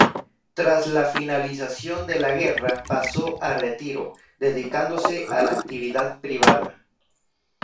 Tras la finalización de la guerra pasó a retiro, dedicándose a la actividad privada.